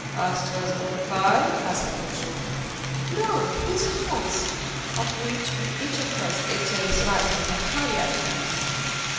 "A Strasbourg pie?" asked Beauchamp. "No, his horse; of which we each of us ate a slice with a hearty appetite.